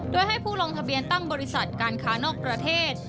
โดยให้ผู้ลงทะเบียนตั้งบริษัทการค้านอกประเทศ